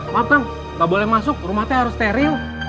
maaf kang gak boleh masuk rumahnya harus steril